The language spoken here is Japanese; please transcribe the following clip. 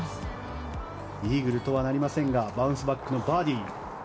イーグルとはなりませんがバウンスバックのバーディー。